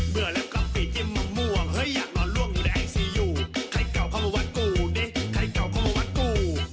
เบื่อแล้วก็ปีจิ้มมะม่วงเฮ้ยอยากนอนล่วงอยู่ในไอซียู